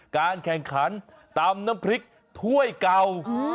การแข่งขันตำน้ำพริกถ้วยเก่า